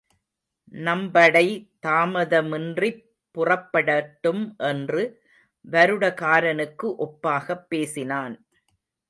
நம்படை தாமதமின்றிப் புறப்படட்டும் என்று வருடகாரனுக்கு ஒப்பாகப் பேசினான்.